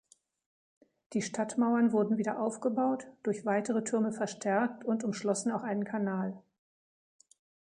Die Stadtmauern wurden wieder aufgebaut, durch weitere Türme verstärkt und umschlossen auch einen Kanal.